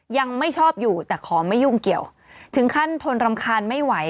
ยังไม่ชอบอยู่แต่ขอไม่ยุ่งเกี่ยวถึงขั้นทนรำคาญไม่ไหว